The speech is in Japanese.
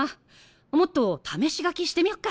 もっと試し描きしてみよっか。